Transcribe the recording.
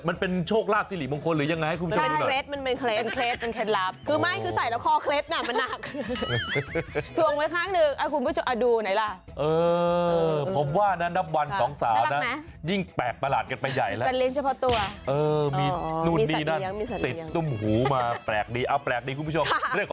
มันเป็นโชคลาภสิริมงคลหรือยังไงคุณผู้ชม